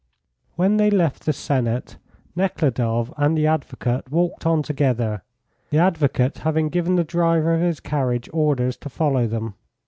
When they left the Senate, Nekhludoff and the advocate walked on together, the advocate having given the driver of his carriage orders to follow them.